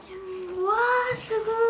うわすごい！